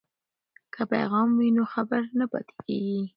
که پیغام وي نو خبر نه پاتې کیږي.